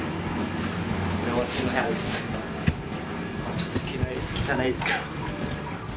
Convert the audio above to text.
ちょっときたないですけど。